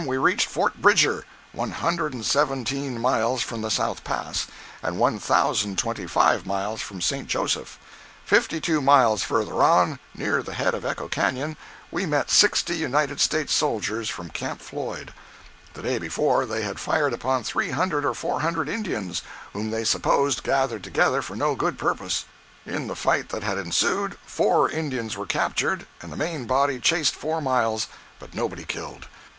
we reached Fort Bridger, one hundred and seventeen miles from the South Pass, and one thousand and twenty five miles from St. Joseph. Fifty two miles further on, near the head of Echo Canyon, we met sixty United States soldiers from Camp Floyd. The day before, they had fired upon three hundred or four hundred Indians, whom they supposed gathered together for no good purpose. In the fight that had ensued, four Indians were captured, and the main body chased four miles, but nobody killed.